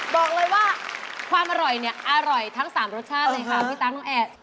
บอกเลยว่าความอร่อยเนี่ยอร่อยทั้ง๓รสชาติเลยค่ะพี่ตั๊กน้องแอร์